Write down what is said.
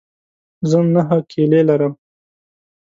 زه نهه کیلې لرم.